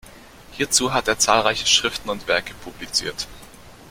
Hierzu hat er zahlreiche Schriften und Werke publiziert.